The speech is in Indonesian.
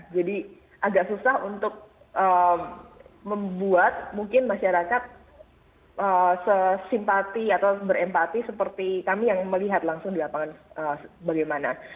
jadi agak susah untuk membuat mungkin masyarakat sesimpati atau berempati seperti kami yang melihat langsung di lapangan bagaimana